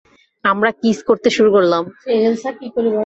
আমরা কিস করতে শুরু করলাম।